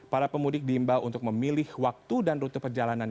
para pemudik diimbau untuk memilih waktu dan rute perjalanan